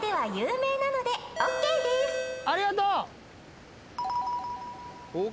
ありがとう。